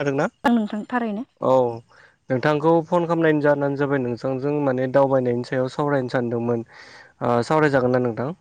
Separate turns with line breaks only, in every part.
जादों ना
ओं नोंथां थारैनो।
औ नोंथांखौ फन खामनायनि जाहोनानो जाबाय नोंथांजों माने दावबायनायनि सायाव सावरायनो सानदोंमोन। ओ सावराय जागोन ना नोंथां?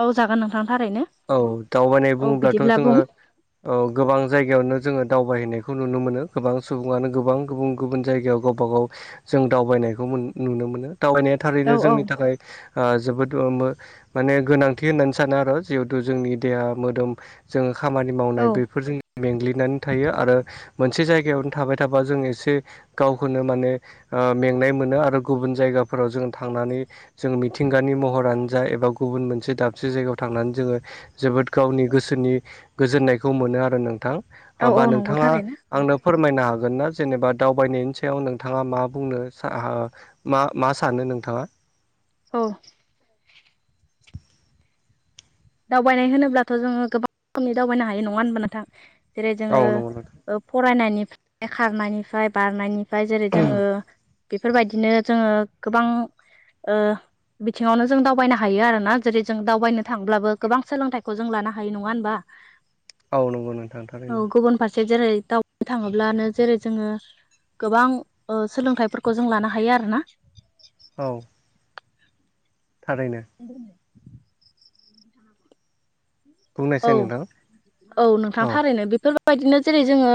औ जागोन नोंथां थारैनो
औ दावबायनाय
औ
बुङोब्लाथ'
बिदिब्ला बुं
जोङो। औ गोबां जायगायावनो जोङो दावबायहैनाय खौ नुनो मोनो गोबां सुबुङानो गोबां गुबुन गुबुन जायगायाव गावबा गाव जों दावबायनायखौ मोन नुनो मोनो। दावबायनाया
औ
थारैनो
औ
जोंनि थाखाय ओ जोबोद ओ मो माने गोनांथि होननानै सानो आर' जिहेथु जोंनि देहा मोदोम जोङो खामानि
औ
मावनाय बेफोरजों मेंग्लिनानै थायो। आरो मोनसे जायगायावनो थाबाय थाबा जों एसे गावखौनो माने ओ मेंनाय मोनो आरो गुबुन जायगाफोराव जों थांनानै जों मिथिंगानि महरानो जा एबा गुबुन मोनसे दाबसे जायगायाव थांनानै जोङो जोबोद गावनि गोसोनि गोजोननायखौ मोनो आरो नोंथां।
औ औ
होबा
नंगौ
नोंथाङा
थारैनो
आंनो फोरमायनो हागोन ना। जेनेबा दावबायनायनि सायाव नोंथाङा मा बुंनो सा आ मा मा सानो नोंथाङा?
औ दावबायनाय होनोब्लाथ' जोङो गोबां खोमनि दावबायनो हायो नङा होनबा नोंथां। जेरै
औ
जोङो
नंगौ नोंथां
ओ फरायनायनिफ्राय खारनायनिफाय बारनायनिफाय जेरै जोङो बेफोरबायदिनो जोङो गोबां ओ बिथिङावनो जों दावबायनो हायो आरोना। जेरै जों दावबायनो थांब्लाबो गोबां सोलोंथाइखौ जों लानो हायो नङा होमबा।
औ नंगौ नोंथां
औ
थारैनो
गुबुन फारसे जेरै दाव ओ थाङोब्लानो जेरै जोङो गोबां ओ सोलोंथाइफोरखौ जों लानो हायो आरो ना।
औ थारैनो
ओम [inaudible] औ
बुंनायसै नोंथां
औ नोंथां थारैनो बेफोर बायदिनो जेरै जोङो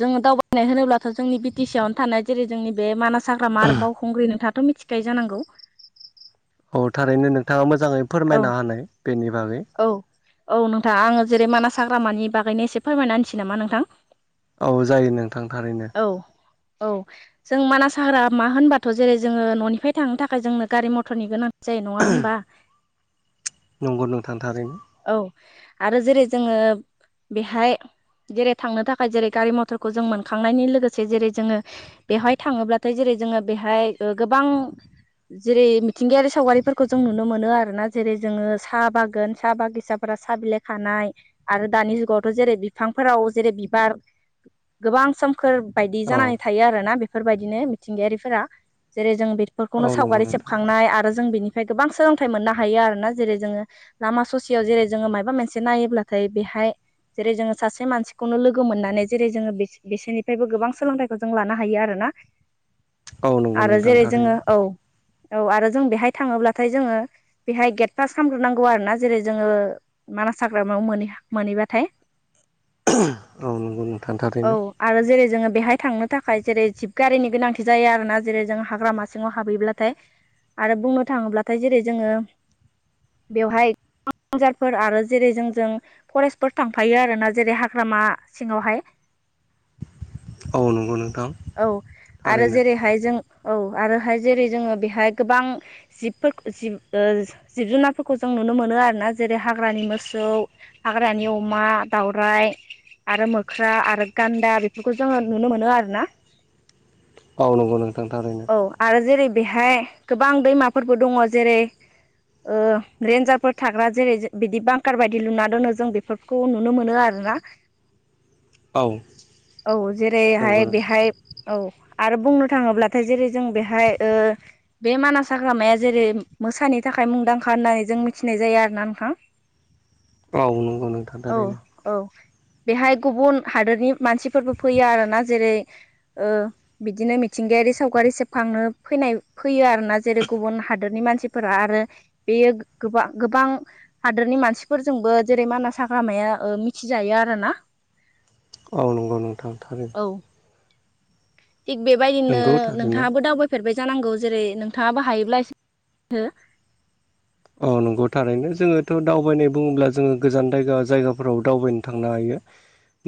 जोङो दावबायनाय होनोब्लाथ' जोंनि बि टि सि आवनो थानाय जेरै जोंनि बे मानास साग्रा मार बावखुंग्रि नोंथाङाथ' मिथिखायो जानांगौ।
औ थारैनो नोंथाङा मोजाङै
औ
फोरमायना होनाय बेनि बागै।
औ औ नोंथां आङो जेरै मानास हाग्रामानि बागैनो एसे फोरमायना होनसै नामा नोंथां।
औ जायो नोंथां थारैनो।
औ औ जों मानास हाग्रा मा होनबाथ' जेरै जोङो न'निफ्राय थांनो थाखाय जोंनो गारि मथरनि गोनां जायो नङा होमबा?
नंगौ नोंथां थारैनो।
औ आरो जेरै जोङो बेहाय जेरै थांनो थाखाय जेरै गारि मथरखौ जों मोनखांनायनि लोगोसे जेरै जोङो। बेवहाय थाङोब्लाथाय जेरै जोङो बेहाय ओ गोबां जेरै मिथिंगायारि सावगारिफोरखौ जों नुनो मोनो आरो ना जेरै जोङो साहा बागान साहा बागिसाफोरा साहा बिलाइ खानाय आरो दानि जुगावथ' जेरै बिफांफोराव जेरै बिबार गोबां सोम खोर बायदि
औ
जानानै थायो आरोना बेफोरबायदिनो मिथिंगायारिफोरा जेरै जों बे फोरखौनो
औ नंगौ
सावगारि
नोंथां
सेबखांनाय आरो जों बिनिफ्राय गोबां सोलोंथाइ मोननो हायो आरोना जेरै जोङो लामा ससेयाव जेरै जोङो मायबा मोनसे नायोब्लाथाय बेहाय जेरै जोङो सासे मानसिखौनो लोगो मोननानै जेरै जोङो बि-बिसोरनिफ्रायबो गोबां सोलोंथाइखौ जों लानो हायो आरोना।
[inaudible] नंगौ
आरो
नोंथां
जेरै
थारैनो
जोङो औ औ आरो जों बेहाय थाङोब्लाथाय जोङो बेहाय ग्रेटफास्ट खालामग्रोनां गौ आरो ना जेरै जोङो मानास हाग्रामायाव मोन मोनहैबाथाय
औ नंगौ नोंथां
औ
थारैनो
आरो जेरै जोङो बेहाय थांनो थाखाय जेरै जिबगारिनि गोनांथि जायो आरोना जेरै जों हाग्रामासिङाव हाबहैब्लाथाय आरो बुंनो थाङोब्लाथाय जेरै जोङो बेवहाय [unintelligible] जारफोर आरो जेरै जोंजों फरेस्टफोर थांफायो आरोना जेरै हाग्रामा सिङावहाय
[inaudible] नंगौ नोंथां
औ आरो
थारैनो
जेरैहाय जों औ आरोहाय जेरै जोङो बेहाय गोबां जिबफोरखौ जिब ओ जिब जुनारफोर खौ जों नुनो मोनो आरोना जेरै हाग्रानि मोसौ हाग्रानि अमा दाउराइ आरो मोख्रा आरो गान्दा बेफोरखौ जोङो नुनो मोनो आरो ना।
औ नंगौ नोंथां थारैनो
औ आरो जेरै बेहाय गोबां दैमाफोरबो दङ जेरै ओ रेन्जारफोर थाग्रा जेरै बिदि बांकार बायदि लुना दोनो जों बेफोरखौ नुनो मोनो आरोना।
[inaudible] औ
औ
नंगौ
जेरैहाय
नोंथां
बेहाय औ आरो बुंनो थाङोब्लाथाय जेरै जों बेहाय बे मानास हाग्रामाया जेरै मोसानि थाखाय मुंदांखा होननानै जों मिथिनाय जाया आरो ना नोंथां।
औ नंगौ नोंथां
औ
थारैनो
औ बेहाय गुबुन हादोरनि मानसिफोरबो फैयो आरोना जेरै ओ बिदिनो मिथिंगायारि सावगारि सेबखांनो फैनाय फैयो आरो ना। जेरै गुबुन हादोरनि मानसिफोरा आरो बेयो गोबां गोबां हादोरनि मानसिफोरजोंबो जेरै मानास हाग्रामाया मिथिजायो आरो ना।
औ नंगौ नोंथां थारैनो
औ थिग बेबायदिनो
नंगौ थारैनो
नोंथाङाबो दावबायफेरबाय जानांगौ जेरै नोंथाङाबो हायोब्ला एसे [unintelligible] हो
औ नंगौ थारैनो जोङोथ' दावबायनाय बुङोब्ला जोङो गोजान जायगा जायगाफोराव दावबायनो थांनो हायो।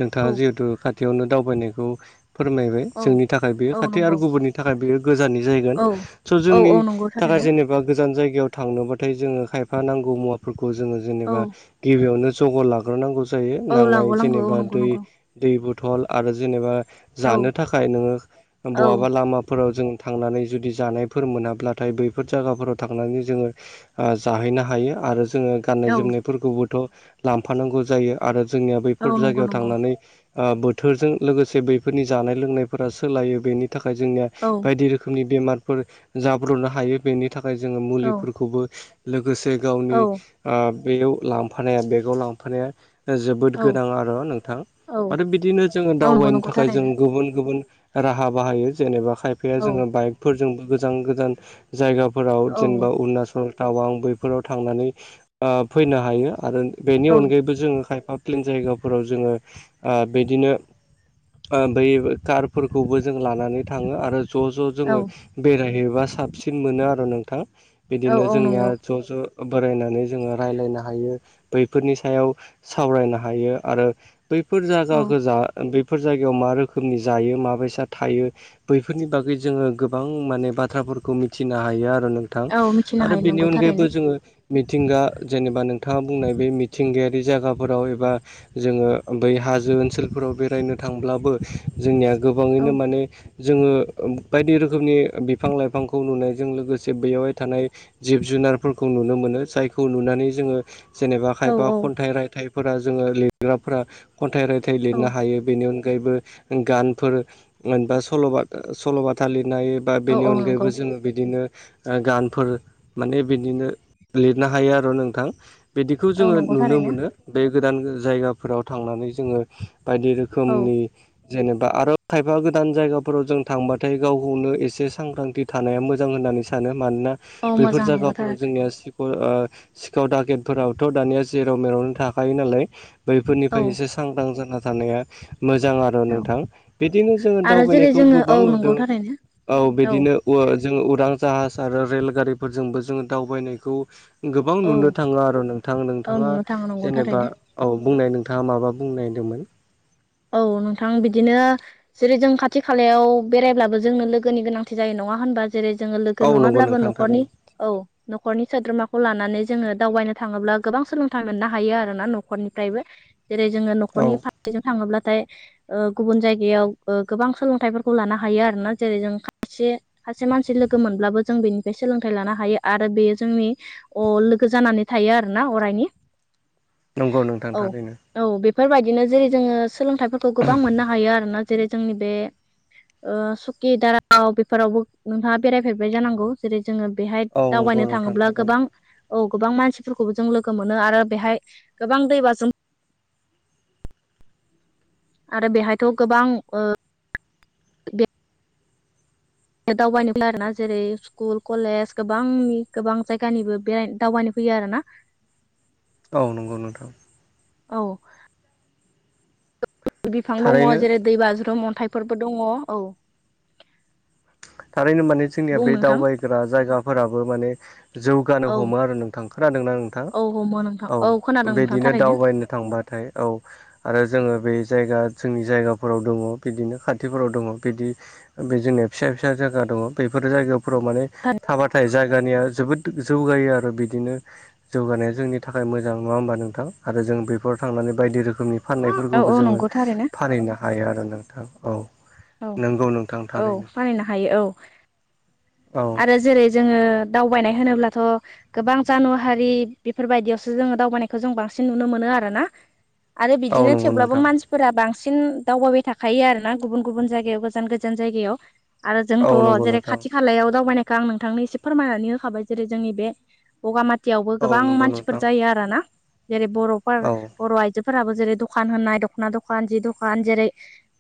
नोंथाङा
औ
जिहेतु खाथियावनो दावबायनायखौ फोरमायबाय
औ
जोंनि थाखाय बेयो
औ
खाथि
नंगौ
आरो गुबुननि थाखाय बेयो गोजाननि जागोन
औ
स'
औ
जोंनि
औ नंगौ
थाखाय
थारैनो
जेनेबा गोजान जायगायाव थांनोबा थाय जोङो खायफा नांगौ मुवाफोरखौ जोङो
औ
जेनेबा गिबियावनो जगार लाग्रोनांगौ जायो
औ
नांनाय
लागलांगौ औ
जेनेबा
नंगौ
दै
नंगौ
दै बथल आरो जेनेबा
औ
जानो थाखाय नोङो
औ
बहाबा लामा फोराव जों थांनानै जुदि जानायफोर मोनाब्लाथाय बैफोर जायगाफोराव थांनानै जोङो ओ जाहैनो हायो आरो जोङो गाननाय
औ
जोमनायफोरखौबोथ' लांफानांगौ जायो। आरो जोंनिया
औ
बैफोर
नंगौ
जायगायाव
नंगौ
थांनानै ओ बोथोरजों लोगोसे बैफोरनि जानाय लोंनायफोरा सोलायो बेनि थाखाय जोंनिया
औ
बायदि रोखोमनि बेमारफोर जाब्र'नो हायो बेनि थाखाय जोङो
औ
मुलिफोरखौबो लोगोसे
औ
गावनि ओ बेयाव लांफानाया बेगाव लांफानाया जोबोद गोनां आरो नोंथां
औ
आरो बिदिनो जोङो
औ नंगौ
दावबायनो
नंगौ
थाखाय जों
थारैनो
गुबुन- गुबुन राहा बाहायो जेनेबा खायफाया
औ
जोङो बाइकफोरजोंबो गोजान- गोजान जायगाफोराव
औ
जेनेबा अरुणाचल टावां बैफोराव थांनानै ओ फैनो हायो आरो बेनि
औ
अनगायैबो जोङो खायफा क्लिन जायगाफोराव जोङो ओ बेदिनो ओ बै कारफोरखौबो जों लानानै थाङो आरो ज' ज'
औ
जोङो बेरायहैबा साबसिन मोनो आरो नोंथां
औ
बेदिनो
औ नंगौ
ज' ज' बोरायनानै जोङो रायज्लायनो हायो बैफोरनि सायाव सावरायनो हायो आरो बैफोर
औ
जगाखो जा बेफोर जायगायाव मा रोखोमनि जायो माबायसा थायो बैफोरनि बागै जोङो गोबां माने बाथ्राफोरखौ मिथिनो हायो आरो नों- थां
औ मिथिनो
आरो
हायो
बेनि
नंगौ थारैनो
अनगायैबो जोङो मिथिंगा जेनेबा नोंथाङा बुंनाय बे मिथिंगायारि जायगाफोराव एबा जोङो बै हाजो ओनसोलफोराव बेरायनो थांब्लाबो जोंनिया
औ
गोबाङैनो माने जोङो बायदि रोखोमनि बिफां लाइफांखौ नुनायजों लोगोसे बैयावहाय थानाय जिब जुनारफोरखौ नुनो मोनो जायखौ नुनानै जोङो जेनेबा
औ
खायबा
औ
खन्थाइ रायथाइ फोर जोङो लिरग्राफोरा खन्थाइ रायथाइ
औ
लिरनो हायो बेनि अनगायैबो गानफोर बा सल' सल'बाथा लिरनाय बा
औ
बेनि
औ नंगौ
अनगायैबो जोङो बिदिनो ओ गानफोर माने बिदिनो लिरनो हायो आरो नोंथां बिदिखौ
औ
जोङो
नंगौ
नुनो
थारैनो
मोनो बे गोदान जायगाफोराव थांनानै जोङो बायदि
औ
रोखोमनि जेनेबा आरो खायफा गोदान जायगाफोराव जों थांबाथाय गावखौनो एसे सांग्रांथि थानाया मोजां होननानै सानो मानोना
औ
बैफोर
मोजां नंगौ थार
जायगाफोराव जोंनिया ओ सिखाव दागेटफोराबोथ' दानिया जेराव मेरावनो थाखायो नालाय
औ
बैफोरनिफ्राय एसे सांग्रां जाना थानाया मोजां आरो आरो
औ
नोंथां बिदिनो जोङो
आरो जेरै
दावबायनायखौ
जोङो औ
गोबां
नंगौ
नुदों
थारैनो
औ बिदिनो ओ जोङो उदां जाहाज आरो रेलगारिफोरजोंबो जोङो दावबायनायखौ गोबां
औ
नुनो थाङो आरो नोंथां
औ
नोंथाङा
नुनो थाङो नंगौ
जेनेबा
थारैनो
औ बुंनाय नोंथाङा माबा बुंनायदोंमोन
औ नोंथां बिदिनो जेरै जों खाथि खालायाव बेरायब्लाबो जोंनो लोगोनि गोनांथि जायो नङा होनबा जेरै जोङो लोगो
औ नंगौ
नङाब्लाबो
नोंथां
न'खरनि
थारैनो
औ न'खरनि सोद्रोमाखौ लानानै जोङो दावबायनो थाङोब्ला गोबां सोलोंथाइ मोननो हायो आरो ना न'खरनिफ्रायबो जेरै जोङो
औ
न'खरनि फारसेजों थाङोब्लाथाय ओ गुबुन जायगायाव ओ गोबां सोलोंथाइफोरखौ लानो हायो आरोना जेरै जों खायसे सासे मानसि लोगो मोनब्लाबो जों बेनिफ्राय सोलोंथाइ लानो हायो आरो बेयो जोंनि अ लोगो जानानै थायो आरो ना अरायनि
नंगौ नोंथां
औ
थारैनो
औ बेफोरबायदिनो जेरै जोङो सोलोंथाइफोरखौ गोबां मोननो हायो आरोना जेरै जोंनि बे सुकि दारागाव बेफोरावबो नोंथाङा बेरायफेरबाय जानांगौ जेरै जोङो बेहाय
औ नंगौ
दावबायनो
नोंथां
थाङोब्ला
थारैनो
गोबां औ गोबां मानसिफोरखौबो जों लोगो मोनो आरो बेहाय गोबां दैबाजों आरो बेहायथ' गोबां दावबायो आरो ना जेरै स्कुल कलेज गोबांनि गोबां जायगानिबो बेहाय दावबायानो फैयो आरोना
औ नंगौ नोंथां
औ बिफां दङ
थारैनो
जेरै दै बाज्रुम अन्थाइफोरबो दङ औ
थारैनो माने जोंनिया
बुं
बे
नोंथां
दावबायग्रा जायगाफोराबो माने जौगानो
औ
हमो आरो नोंथां खोनादोंना नोंथां
औ हमो नोंथां
औ
खोनादों नोंथां
बिदिनो
थारैनो
दावबायनो थांबाथाय औ आरो जोङो बे जायगा जोंनि जायगाफोराव दङ बिदिनो खाथिफोराव दङ बिदि बे जोंनिया फिसा फिसा जायगा दङ बेफोर जायगाफोराव माने थाबाथाय जायगानिया जोबोद जौगायो आरो बिदिनो जौगानाया जोंनि थाखाय मोजां नङा होमबा नोंथां आरो जों बेफोराव थांनानै बायदि रोखोमनि
औ
फाननायफोरखौबो
औ
जोङो
नंगौ थारैनो
फानहैनो हायो आरो नोंथां औ नंगौ नोंथां थारैनो
बानायनो हायो औ
औ
आरो जेरै जोङो दावबायनाय होनोब्लाथ' गोबां जानु हारि बेफोरबायदियावसो जोङो दावबायानायखौ जों बांसिन नुनो मोनो आरो ना। आरो
औ
बिदिनो
नंगौ
थेवब्लाबो
नोंथां
मानसि फोरा बांसिन दावबायाबबाय थाखायो आरोना गुबुन गुबुन जायगायाव गोजान गोजान जायगायाव। आरो
औ
जोंथ'
नंगौ
जेरै
नोंथां
खाथि खालायाव दावबायनायखौ आं नोंथांनो एसे फोरमायनानै होखाबाय जेरै जोंनि बे बगामाथियावबो
औ
गोबां
नंगौ
मानसिफोर
नोंथां
जायो आरोना जेरै
औ
बर'फोर बर' आइजोफोराबो जेरै दखान होननाय दख'ना दखान जि दखान जेरै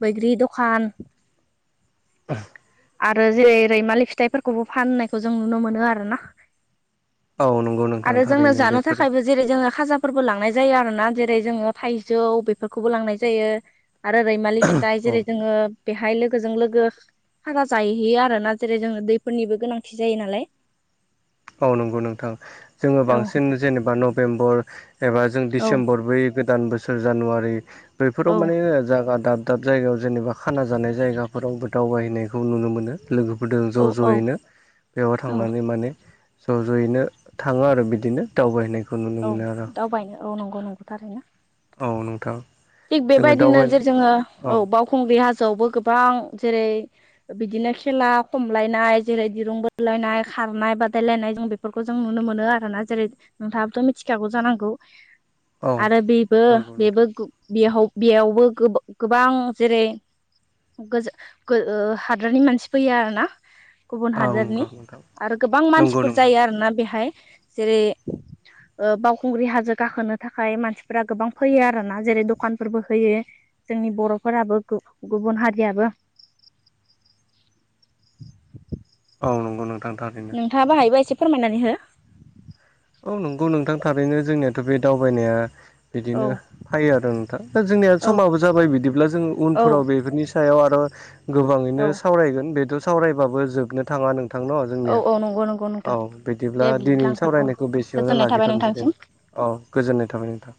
बैग्रि दखान
[inaudible]
आरो जेरै रैमालि फिथाइफोरखौबो फाननायखौ जों नुनो मोनो आरो ना।
औ नंगौ नोंथां थारैनो बेफोरो
थाखायबो जेरै जोङो खाजाफोरबो लांनाय जायो आरो ना जेरै जोङो थाइजौ बेफोरखौबो लांनाय जायो आरो रैमालि फिथाइ
औ
जेरै जोङो बेहाय लोगोजों लोगो खाजा जाहैयो आरोना जेरै जोङो दैफोरनिबो गोनांथि जायो नालाय
ओ नांगौ नोंथां जोङो
औ
बांसिन जेनेबा नभेम्बर एबा जों
औ
डिसेम्बर बै गोदान बोसोर जानुवारि
औ
बैफोराव माने जायगा दाब दाब दाब जायगायाव जेनेबा खाना जानाय जायगाफोरावबो दावबायहैनायखौ नुनो मोनो। लोगोफोरजों ज'
औ औ
ज'यैनो बेयावाय
औ
थांनानै माने ज' ज'यैनो थाङो आरो बिदिनो। दावबायनायखौ नु
औ दावबायनो औ नंगौ नंगौ थारैनो
औ नोंथां
थिग
जोङो
बेबायदिनो
दावबाय
जे जोङो
औ
ओ बावखुंग्रि हाजोआवबो गोबां जेरै बिदिनो खेला खमलायनाय जेरै दिरुं बोलायनाय खारनाय बादायलायनाय जों बे फोरखौ जों नुनो मोनो आरोना जेरै नोंथाङाबोथ' मिथिखागौ जानांगौ।
औ
आरो बेबो
नंगौ नोंथां
बेबो गो बेयाव बेयावबो गो-गोबां जेरै गोजान ओ हादरनि मानसि फैयो आरो ना गुबुन
औ
हादोरनि
नंगौ नोंथां
आरो गोबां
नंगौ
मानसिफोर
नोंथां
जायो आरोना बेहाय जेरै ओ बावखुंग्रि हाजो गाखोनो थाखाय मानसिफोरा गोबां फैयो आरोना जेरै दखानफोरबो होयो जोंनि बर'फोराबो गु-गुबुन हारियाबो।
औ नंगौ नोंथां थारैनो।
नोंथाङाबो हायोबा एसे फोरमायनानै हो।
औ नंगौ नोंथां थारैनो जोंनियाथ' बे दावबायनाया
औ
बिदिनो फायो आरो नोंथां दा जोंनिया
औ
समाबो जाबाय बिदिब्ला जों
औ
उनफोराव बेफोरनि सायाव आरो गोबाङैनो
औ
सावरायगोन बेथ' सावरायबाबो जोबनो थाङा नों थांन
औ
जोंनिया
औ नंगौ नंगौ
औ
नोंथां
बिदिब्ला
दे
दिनैनि
नोंथां औ
सावरायनायखौ बेसेयावनो
गोजोननाय थाबाय
लागिरथ'नोसै दे
नोंथांसिम
औ गोजोननाय थाबाय नोंथां।